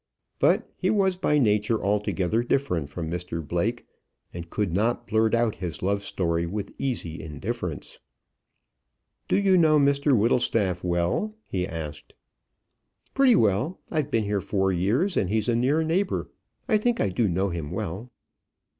But he was by nature altogether different from Mr Blake, and could not blurt out his love story with easy indifference. "Do you know Mr Whittlestaff well?" he asked. "Pretty well. I've been here four years; and he's a near neighbour. I think I do know him well."